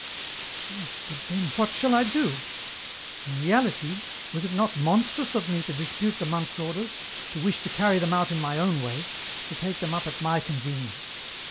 '* Yes, but then what shall I do ?— in reality, was it not monstrous of me to dispute the monk's orders, to wish to carry them out in my own way, to take them up at my convenience